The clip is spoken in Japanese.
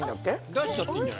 出しちゃっていいんじゃ。